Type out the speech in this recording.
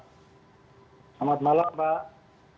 selamat malam pak